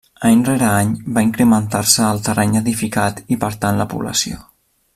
Any rere any va incrementant-se el terreny edificat i per tant la població.